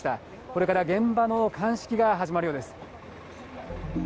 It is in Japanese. これから現場の鑑識が始まるようです。